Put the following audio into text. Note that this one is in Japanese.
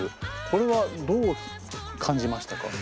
これはどう感じましたか？